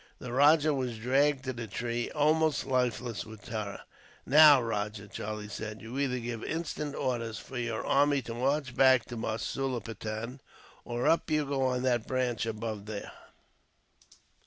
The rajah was dragged to the tree, almost lifeless with terror. "Now, Rajah," Charlie said, "you either give instant orders for your army to march back to Masulipatam, or up you go on that branch above there."